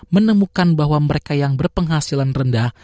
menemukan bahwa mereka yang berpenghasilan rendah